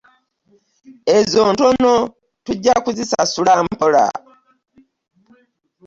Ezo ntono tujja kuzisasula mpola.